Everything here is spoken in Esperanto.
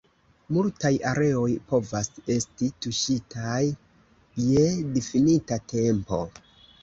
Multaj areoj povas esti tuŝitaj je difinita tempo.